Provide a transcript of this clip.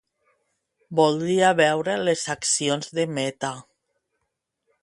Voldria veure les accions de Meta.